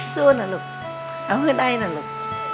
สู้นะลูกเอาเพื่อได้นะลูก